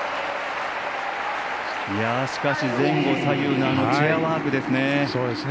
しかし、前後左右のチェアワークですね。